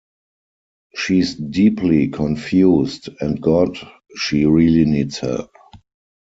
She's deeply confused, and God, she really needs help.